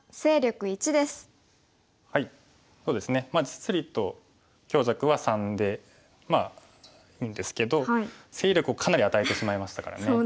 実利と強弱は３でまあいいんですけど勢力をかなり与えてしまいましたからね。